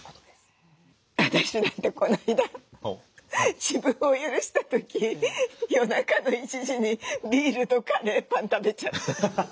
私なんてこの間自分を許した時夜中の１時にビールとカレーパン食べちゃった。